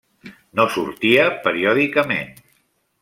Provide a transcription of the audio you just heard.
No sortia periòdicament.